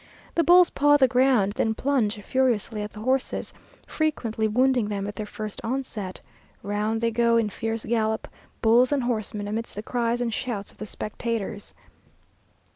The bulls paw the ground, then plunge furiously at the horses, frequently wounding them at the first onset. Round they go in fierce gallop, bulls and horsemen, amidst the cries and shouts of the spectators.